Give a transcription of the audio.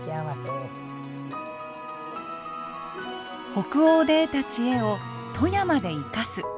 北欧で得た知恵を富山で生かす。